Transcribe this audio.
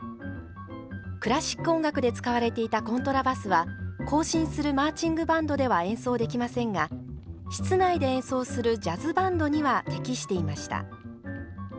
クラシック音楽で使われていたコントラバスは行進するマーチングバンドでは演奏できませんが室内で演奏するジャズバンドには適していました。